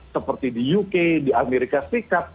seperti di uk di amerika serikat